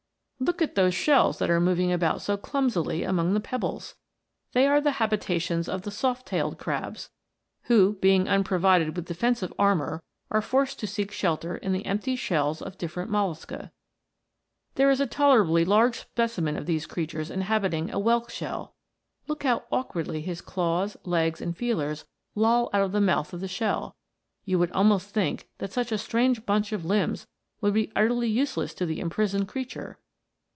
* Look at those shells that are moving about so clumsily among the pebbles. They are the habita tions of the soft tailed crabs, who being unprovided with defensive armour are forced to seek shelter in the empty shells of different mollusca. There is a toler ably large specimen of these creatures inhabiting a whelk shell. Look how awkwardly his claws, legs, and feelers loll out of the mouth of the shell ; you would almost think that such a strange bunch of limbs wouldbe utterly useless to the imprisoned crea ture.